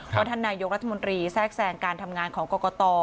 ท่านนายกรัฐมนตรีแทรกแทรงการทำงานของกรกต